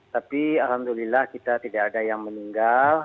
tapi alhamdulillah kita tidak ada yang meninggal